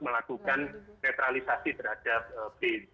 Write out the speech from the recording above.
melakukan netralisasi terhadap